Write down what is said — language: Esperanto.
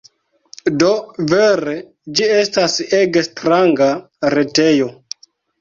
Do, vere ĝi estas ege stranga retejo.